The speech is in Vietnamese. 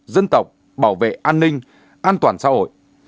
dân tộc bảo vệ an ninh an toàn xã hội